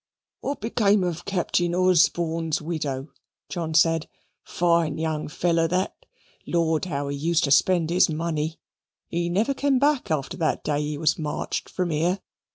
"What became of Captain Osborne's widow?" John said. "Fine young fellow that. Lord, how he used to spend his money. He never came back after that day he was marched from here.